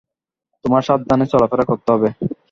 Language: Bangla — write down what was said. তোমার সাবধানে চলাফেরা করতে হবে।